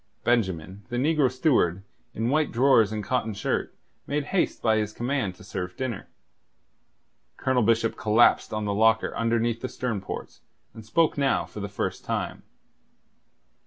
Benjamin, the negro steward, in white drawers and cotton shirt, made haste by his command to serve dinner. Colonel Bishop collapsed on the locker under the stern ports, and spoke now for the first time.